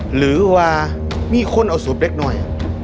หรือว่ามีคนเอาสูตรเล็กหน่อย